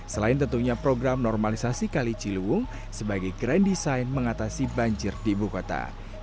selain tentunya program normalisasi kali ciliwung sebagai grand design mengatasi banjir di ibu kota